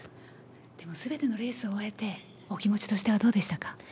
でもすべてのレースを終えて、お気持ちとしてはどうでしたか？